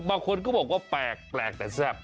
บางคนก็บอกว่าแปลกแต่แซ่บ